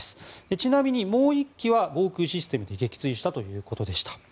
ちなみにもう１機は防空システムで撃墜したということでした。